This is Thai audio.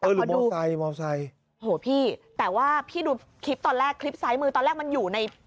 เออหรือมอเซอร์มอเซอร์โหพี่แต่ว่าพี่ดูคลิปตอนแรกคลิปซ้ายมือตอนแรกมันอยู่ใน